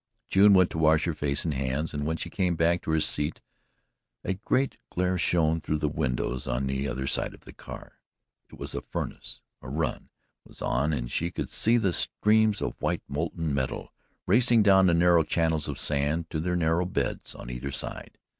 June went to wash her face and hands, and when she came back to her seat a great glare shone through the windows on the other side of the car. It was the furnace, a "run" was on and she could see the streams of white molten metal racing down the narrow channels of sand to their narrow beds on either side.